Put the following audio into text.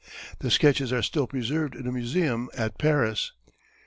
The sketches are still preserved in a museum at Paris.